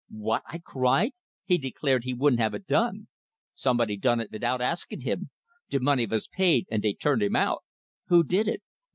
"What?" I cried. "He declared he wouldn't have it done." "Somebody done it vitout askin' him! De money vas paid, and dey turned him out!" "Who did it?"